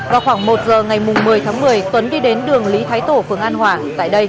vào khoảng một giờ ngày một mươi tháng một mươi tuấn đi đến đường lý thái tổ phường an hòa tại đây